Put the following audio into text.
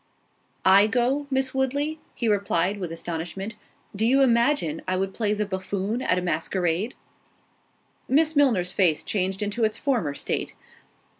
"I go, Miss Woodley?" he replied, with astonishment, "Do you imagine I would play the buffoon at a masquerade?" Miss Milner's face changed into its former state.